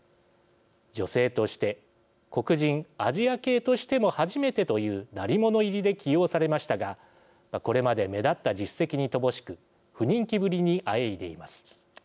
女性として、黒人アジア系としても初めてという鳴り物入りで起用されましたがこれまで目立った実績に乏しく不人気ぶりにあえいでいます。